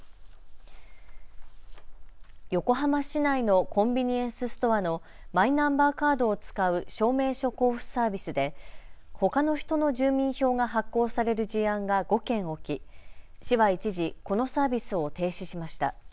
横浜市内のコンビニエンスストアのマイナンバーカードを使う証明書交付サービスでほかの人の住民票が発行される事案が５件起き、市は一時このサービスを停止しました。